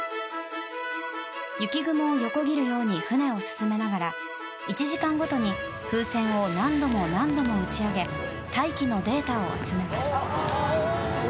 雪雲を横切るように船を進めながら１時間ごとに風船を何度も何度も打ち上げ大気のデータを集めます。